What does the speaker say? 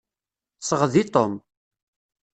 Sɣed i Tom.